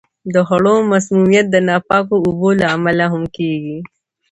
د خوړو مسمومیت د ناپاکو اوبو له امله هم کیږي.